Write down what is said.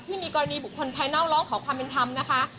ที่มีกรณีบุคคลภายนอกร้องขอความเป็นธรรมนะคะ